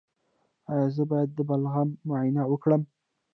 ایا زه باید د بلغم معاینه وکړم؟